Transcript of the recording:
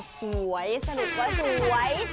สวยสนุกว่าสวย